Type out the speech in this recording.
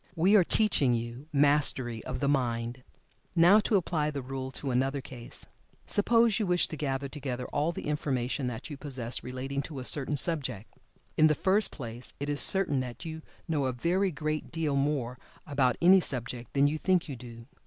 We are teaching you Mastery of the Mind. Now to apply the rule to another case. Suppose you wish to gather together all the information that you possess relating to a certain subject. In the first place it is certain that you know a very great deal more about any subject than you think you do.